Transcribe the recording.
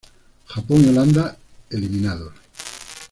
Japón y Holanda eliminados.